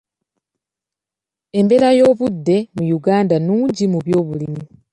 Embeera y'obudde mu Uganda nnungi mu byobulimi.